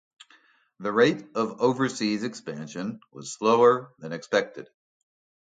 The rate of overseas expansion was slower than expected.